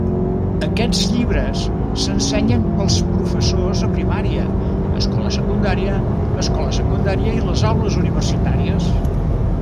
Aquests llibres s'ensenyen pels professors a primària, escola secundària, escola secundària, i les aules universitàries.